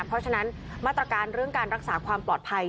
เพราะฉะนั้นมาตรการเรื่องการรักษาความปลอดภัย